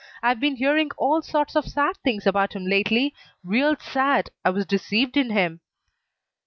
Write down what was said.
I've been hearing all sorts of sad things about him lately. Real sad. I was deceived in him."